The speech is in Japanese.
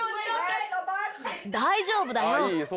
大丈夫だよ。